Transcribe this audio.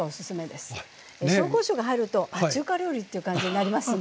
紹興酒が入ると中華料理っていう感じになりますんでね。